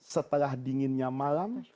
setelah dinginnya malam